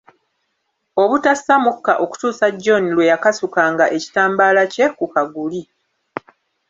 Obutassa mukka okutuusa John lwe yakasukanga ekitambaala kye ku kaguli.